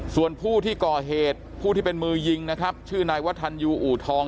ส่วนผู้ที่ก่อเหตุผู้ที่เป็นมือยิงนะครับชื่อนายวัฒนยูอูทอง